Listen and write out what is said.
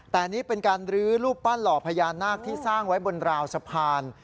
แต่นี่เป็นการลื้อรูปปั้นหล่อพญานาคที่สร้างไว้บนราวสะพาน